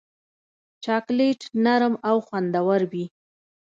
چاکلېټ نرم او خوندور وي.